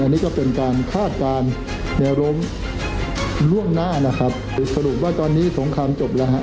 นี่ก็เป็นการคาดการณ์แนวล้มล่วงหน้านะครับสรุปว่าตอนนี้สงครามจบแล้วฮะ